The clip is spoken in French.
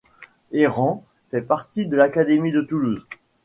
Herran fait partie de l'académie de Toulouse.